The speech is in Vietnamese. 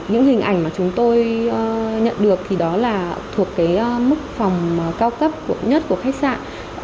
những hình ảnh mà chúng tôi nhận được thì đó là thuộc cái mức phòng cao cấp nhất của khách sạn